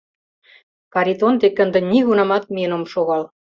— Каритон деке ынде нигунамат миен ом шогал.